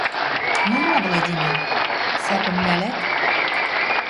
Ну ма, Владимир, сӓпӹм нӓлӓт?